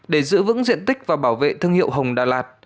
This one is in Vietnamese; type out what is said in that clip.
để giữ vững diện tích và bảo vệ thương hiệu hồng đà lạt